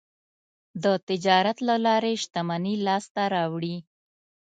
د تجارت له لارې شتمني لاسته راوړي.